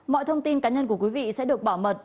mọi thông tin cá nhân của quý vị sẽ được bảo mật